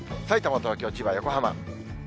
さいたま、東京、千葉、横浜。